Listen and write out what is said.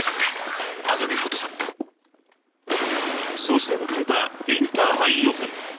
そして迎えたインターハイ予選